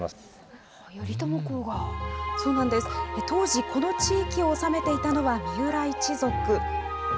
当時、この地域を治めていたのは三浦一族。